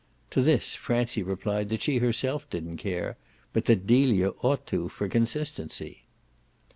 To this Francie replied that she herself didn't care, but that Delia ought to for consistency.